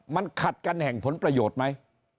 มันขัดกันแห่งผลประโยชน์ไหม